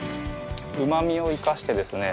うまみを生かしてですね